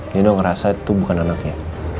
nino ngerasa itu bukan anaknya